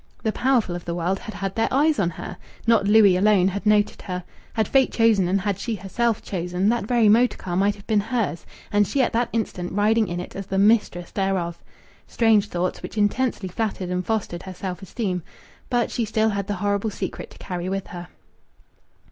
The powerful of the world had had their eyes on her! Not Louis alone had noted her! Had Fate chosen, and had she herself chosen, that very motor car might have been hers, and she at that instant riding in it as the mistress thereof! Strange thoughts, which intensely flattered and fostered her self esteem. But she still had the horrible secret to carry with her.